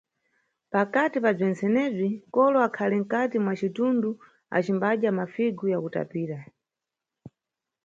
Pakati pa bzentsenebzi, kolo akhali mkati mwa citundu acimbadya mafigu yakutapira.